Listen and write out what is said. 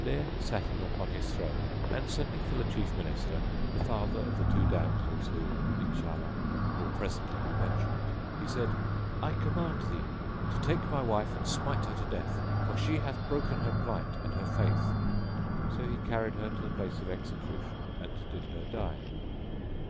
There he sat him upon his throne and sending for the Chief Minister, the father of the two damsels who (Inshallah!) will presently be mentioned, he said, "I command thee to take my wife and smite her to death; for she hath broken her plight and her faith." So he carried her to the place of execution and did her die.